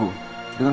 aku akan menang